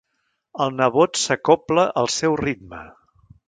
El nebot s'acobla al seu ritme.